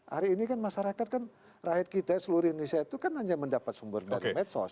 hari ini kan masyarakat kan rakyat kita seluruh indonesia itu kan hanya mendapat sumber dari medsos